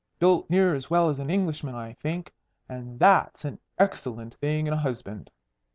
"Built near as well as an Englishman, I think. And that's an excellent thing in a husband."